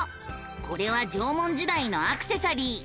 これは縄文時代のアクセサリー。